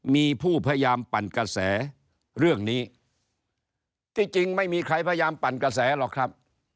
มีผู้พยายามปั่นกระแสเรื่องนี้ที่จริงไม่มีใครพยายามปั่นกระแสหรอกครับ